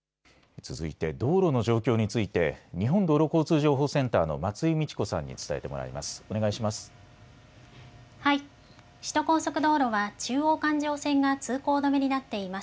続いて道路の状況について日本道路交通情報センターの松井美智子さんに伝えてもらいます。